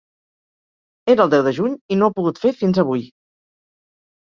Era el deu de juny i no ha pogut fer fins avui.